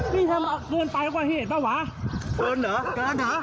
พี่ทำมาเตือนไปกว่าเหตุเปล่าหวะเตือนเหรอเตือนหรอ